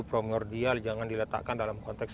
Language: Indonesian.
promordial jangan diletakkan dalam konteks